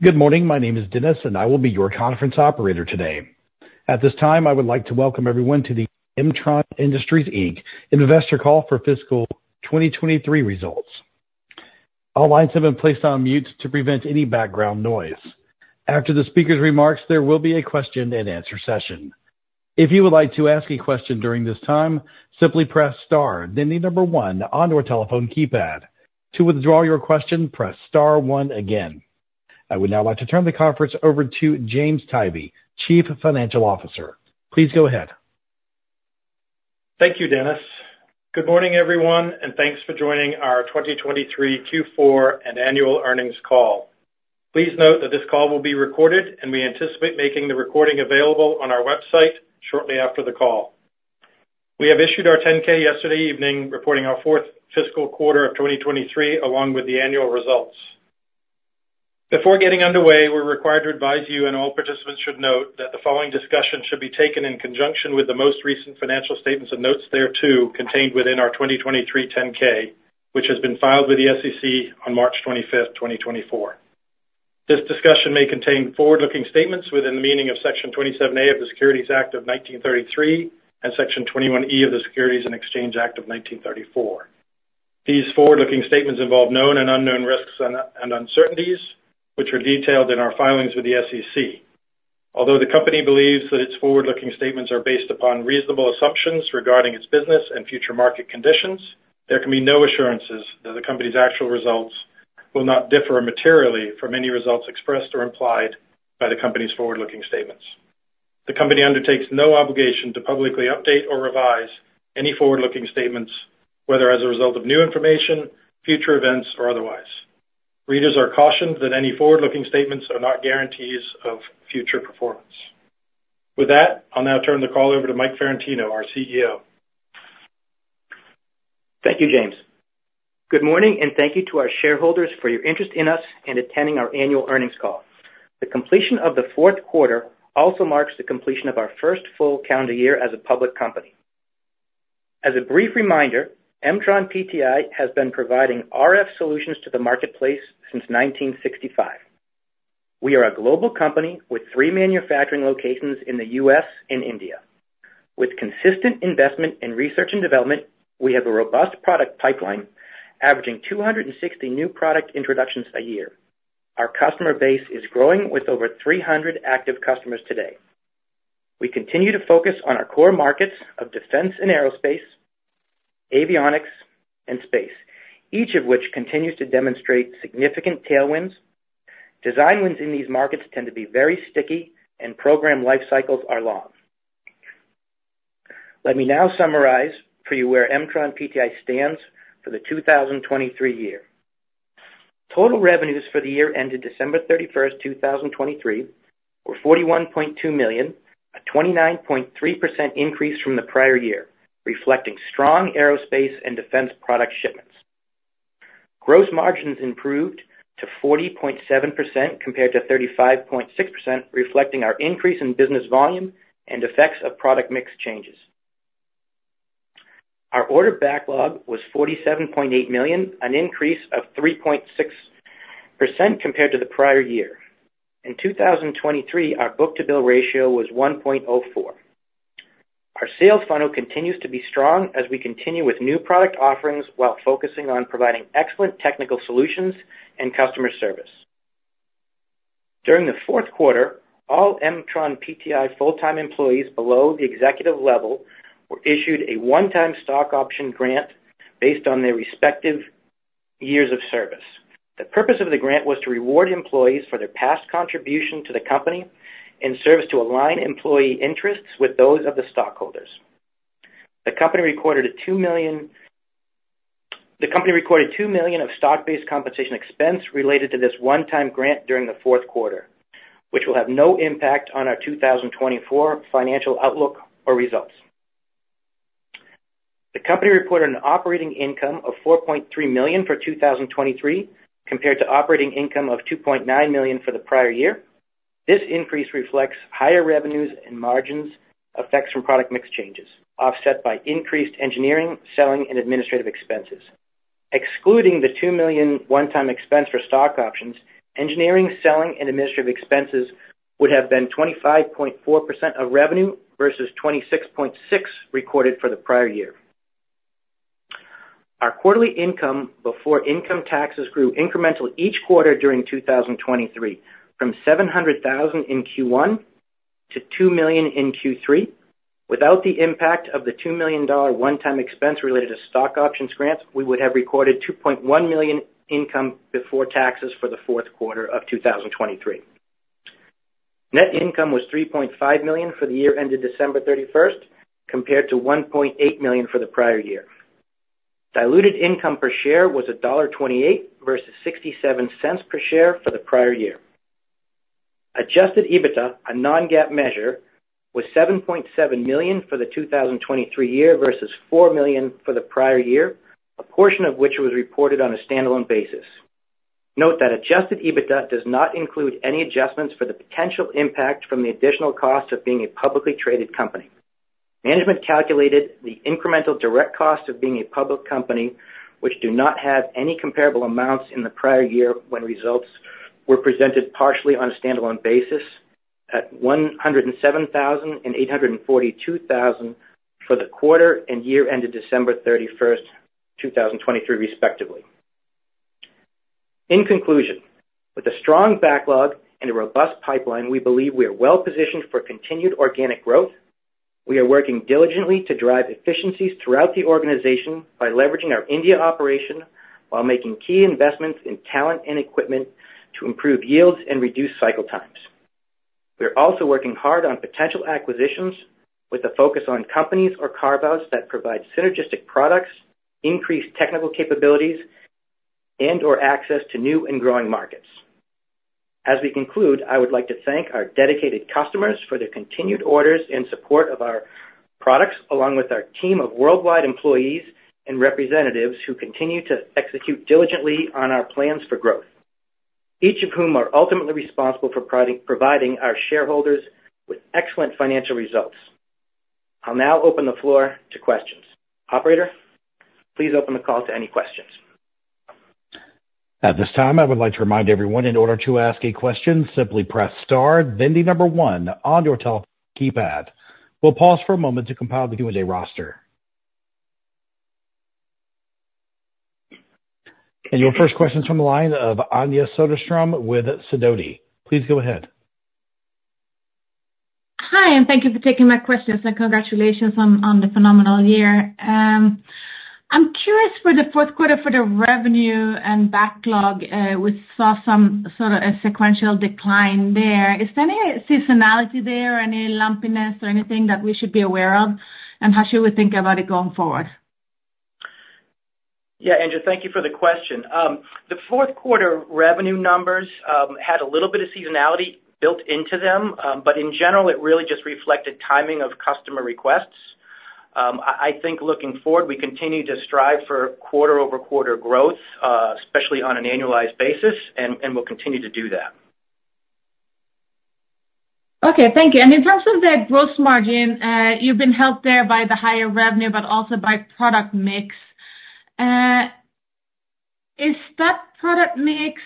Good morning. My name is Dennis, and I will be your conference operator today. At this time, I would like to welcome everyone to the Mtron Industries, Inc. investor call for fiscal 2023 results. All lines have been placed on mute to prevent any background noise. After the speaker's remarks, there will be a question-and-answer session. If you would like to ask a question during this time, simply press * then the number 1 on your telephone keypad. To withdraw your question, press * 1 again. I would now like to turn the conference over to James Tivy, Chief Financial Officer. Please go ahead. Thank you, Dennis. Good morning, everyone, and thanks for joining our 2023 Q4 and annual earnings call. Please note that this call will be recorded, and we anticipate making the recording available on our website shortly after the call. We have issued our 10-K yesterday evening, reporting our fourth fiscal quarter of 2023 along with the annual results. Before getting underway, we're required to advise you, and all participants should note, that the following discussion should be taken in conjunction with the most recent financial statements and notes thereto contained within our 2023 10-K, which has been filed with the SEC on March 25, 2024. This discussion may contain forward-looking statements within the meaning of Section 27A of the Securities Act of 1933 and Section 21E of the Securities and Exchange Act of 1934. These forward-looking statements involve known and unknown risks and uncertainties, which are detailed in our filings with the SEC. Although the company believes that its forward-looking statements are based upon reasonable assumptions regarding its business and future market conditions, there can be no assurances that the company's actual results will not differ materially from any results expressed or implied by the company's forward-looking statements. The company undertakes no obligation to publicly update or revise any forward-looking statements, whether as a result of new information, future events, or otherwise. Readers are cautioned that any forward-looking statements are not guarantees of future performance. With that, I'll now turn the call over to Mike Ferrantino, our CEO. Thank you, James. Good morning, and thank you to our shareholders for your interest in us and attending our annual earnings call. The completion of the fourth quarter also marks the completion of our first full calendar year as a public company. As a brief reminder, Mtron PTI has been providing RF solutions to the marketplace since 1965. We are a global company with three manufacturing locations in the U.S. and India. With consistent investment in research and development, we have a robust product pipeline averaging 260 new product introductions a year. Our customer base is growing with over 300 active customers today. We continue to focus on our core markets of defense and aerospace, avionics, and space, each of which continues to demonstrate significant tailwinds. Design wins in these markets tend to be very sticky, and program lifecycles are long. Let me now summarize for you where MtronPTI stands for the 2023 year. Total revenues for the year ended December 31, 2023, were $41.2 million, a 29.3% increase from the prior year, reflecting strong aerospace and defense product shipments. Gross margins improved to 40.7% compared to 35.6%, reflecting our increase in business volume and effects of product mix changes. Our order backlog was $47.8 million, an increase of 3.6% compared to the prior year. In 2023, our book-to-bill ratio was 1.04. Our sales funnel continues to be strong as we continue with new product offerings while focusing on providing excellent technical solutions and customer service. During the fourth quarter, all MtronPTI full-time employees below the executive level were issued a one-time stock option grant based on their respective years of service. The purpose of the grant was to reward employees for their past contribution to the company in service to align employee interests with those of the stockholders. The company recorded $2 million of stock-based compensation expense related to this one-time grant during the fourth quarter, which will have no impact on our 2024 financial outlook or results. The company reported an operating income of $4.3 million for 2023 compared to operating income of $2.9 million for the prior year. This increase reflects higher revenues and margins effects from product mix changes, offset by increased engineering, selling, and administrative expenses. Excluding the $2 million one-time expense for stock options, engineering, selling, and administrative expenses would have been 25.4% of revenue versus 26.6% recorded for the prior year. Our quarterly income before income taxes grew incremental each quarter during 2023 from $700,000 in Q1 to $2 million in Q3. Without the impact of the $2 million one-time expense related to stock options grants, we would have recorded $2.1 million income before taxes for the fourth quarter of 2023. Net income was $3.5 million for the year ended December 31 compared to $1.8 million for the prior year. Diluted income per share was $1.28 versus $0.67 per share for the prior year. Adjusted EBITDA, a non-GAAP measure, was $7.7 million for the 2023 year versus $4 million for the prior year, a portion of which was reported on a standalone basis. Note that adjusted EBITDA does not include any adjustments for the potential impact from the additional cost of being a publicly traded company. Management calculated the incremental direct costs of being a public company, which do not have any comparable amounts in the prior year when results were presented partially on a standalone basis, at $107,000 and $842,000 for the quarter and year ended December 31, 2023, respectively. In conclusion, with a strong backlog and a robust pipeline, we believe we are well-positioned for continued organic growth. We are working diligently to drive efficiencies throughout the organization by leveraging our India operation while making key investments in talent and equipment to improve yields and reduce cycle times. We are also working hard on potential acquisitions with a focus on companies or carve-outs that provide synergistic products, increased technical capabilities, and/or access to new and growing markets. As we conclude, I would like to thank our dedicated customers for their continued orders and support of our products, along with our team of worldwide employees and representatives who continue to execute diligently on our plans for growth, each of whom are ultimately responsible for providing our shareholders with excellent financial results. I'll now open the floor to questions. Operator, please open the call to any questions. At this time, I would like to remind everyone, in order to ask a question, simply press * then the number 1 on your telephone keypad. We'll pause for a moment to compile the Q&A roster. And your first question's from the line of Anja Soderstrom with Sidoti. Please go ahead. Hi, and thank you for taking my questions. Congratulations on the phenomenal year. I'm curious for the fourth quarter for the revenue and backlog. We saw some sort of a sequential decline there. Is there any seasonality there, any lumpiness, or anything that we should be aware of, and how should we think about it going forward? Yeah, Andrew, thank you for the question. The fourth quarter revenue numbers had a little bit of seasonality built into them, but in general, it really just reflected timing of customer requests. I think looking forward, we continue to strive for quarter-over-quarter growth, especially on an annualized basis, and we'll continue to do that. Okay. Thank you. And in terms of the gross margin, you've been helped there by the higher revenue but also by product mix. Is that product mix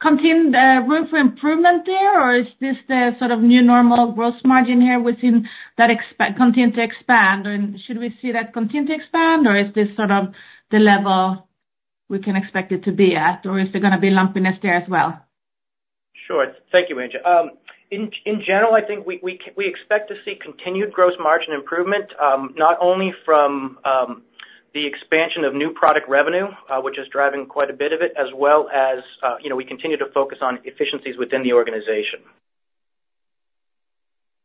contained room for improvement there, or is this the sort of new normal gross margin here within that continue to expand? And should we see that continue to expand, or is this sort of the level we can expect it to be at, or is there going to be lumpiness there as well? Sure. Thank you, Andrew. In general, I think we expect to see continued gross margin improvement, not only from the expansion of new product revenue, which is driving quite a bit of it, as well as we continue to focus on efficiencies within the organization.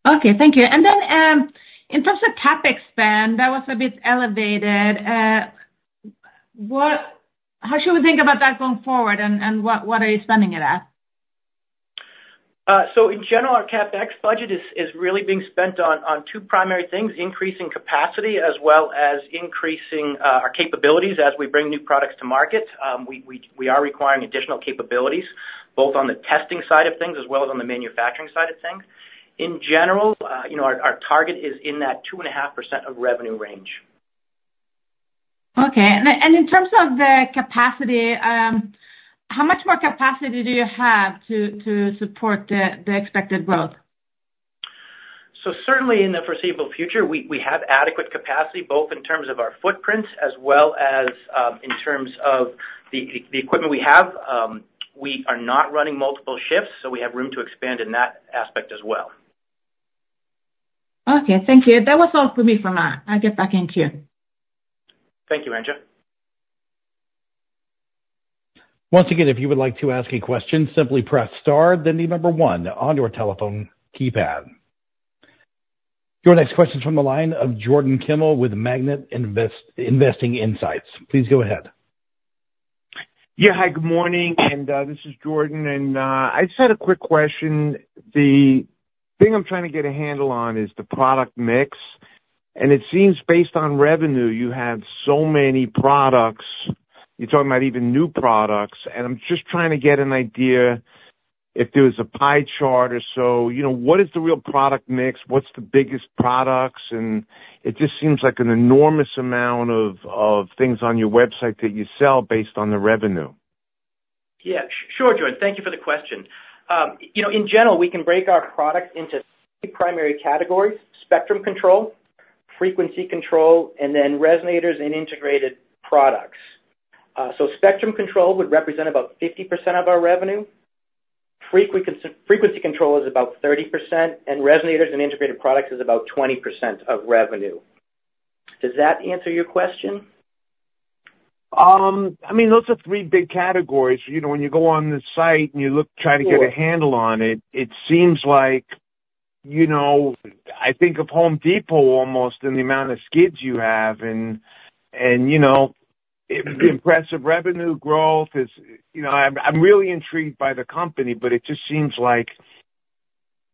Okay. Thank you. And then in terms of CapEx spend, that was a bit elevated. How should we think about that going forward, and what are you spending it at? So in general, our CapEx budget is really being spent on two primary things: increasing capacity as well as increasing our capabilities as we bring new products to market. We are requiring additional capabilities, both on the testing side of things as well as on the manufacturing side of things. In general, our target is in that 2.5% of revenue range. Okay. And in terms of the capacity, how much more capacity do you have to support the expected growth? Certainly, in the foreseeable future, we have adequate capacity, both in terms of our footprint as well as in terms of the equipment we have. We are not running multiple shifts, so we have room to expand in that aspect as well. Okay. Thank you. That was all for me for now. I'll get back to you. Thank you, Andrew. Once again, if you would like to ask a question, simply press star then the number 1 on your telephone keypad. Your next question's from the line of Jordan Kimmel with Magnet Investing Insights. Please go ahead. Yeah. Hi. Good morning. This is Jordan. I just had a quick question. The thing I'm trying to get a handle on is the product mix. It seems based on revenue, you have so many products. You're talking about even new products. I'm just trying to get an idea if there was a pie chart or so. What is the real product mix? What's the biggest products? It just seems like an enormous amount of things on your website that you sell based on the revenue. Yeah. Sure, Jordan. Thank you for the question. In general, we can break our products into three primary categories: spectrum control, frequency control, and then resonators and integrated products. So spectrum control would represent about 50% of our revenue. Frequency control is about 30%, and resonators and integrated products is about 20% of revenue. Does that answer your question? I mean, those are three big categories. When you go on the site and you look, trying to get a handle on it, it seems like I think of Home Depot almost in the amount of SKUs you have. And the impressive revenue growth is—I'm really intrigued by the company, but it just seems like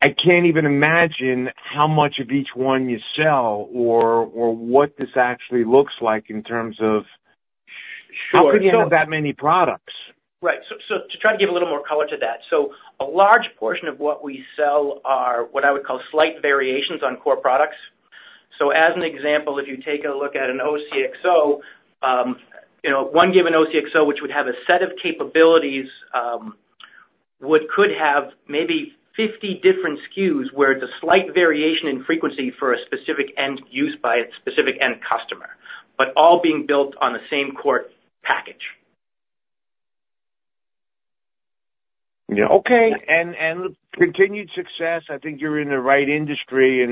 I can't even imagine how much of each one you sell or what this actually looks like in terms of how could you have that many products? Right. So to try to give a little more color to that, so a large portion of what we sell are what I would call slight variations on core products. So as an example, if you take a look at an OCXO, one given OCXO, which would have a set of capabilities, could have maybe 50 different SKUs where it's a slight variation in frequency for a specific end use by a specific end customer, but all being built on the same core package. Yeah. Okay. Continued success. I think you're in the right industry.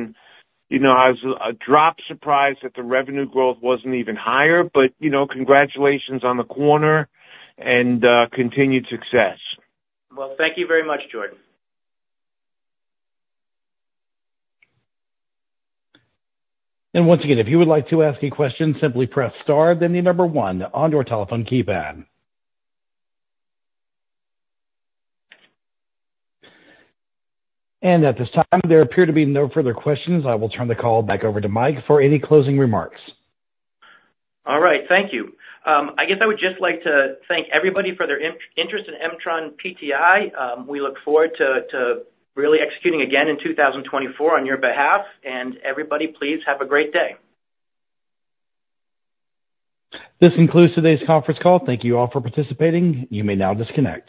I was a bit surprised that the revenue growth wasn't even higher. But congratulations on the quarter and continued success. Well, thank you very much, Jordan. Once again, if you would like to ask a question, simply press * then the number 1 on your telephone keypad. At this time, there appear to be no further questions. I will turn the call back over to Mike for any closing remarks. All right. Thank you. I guess I would just like to thank everybody for their interest in MtronPTI. We look forward to really executing again in 2024 on your behalf. And everybody, please have a great day. This concludes today's conference call. Thank you all for participating. You may now disconnect.